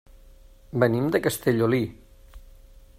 Venim de Castellolí.